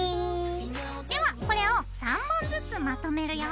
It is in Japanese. ではこれを３本ずつまとめるよ。